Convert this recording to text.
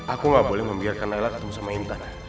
aku gak boleh membiarkan layla ketemu sama intan